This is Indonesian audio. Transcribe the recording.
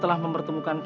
selamat di judged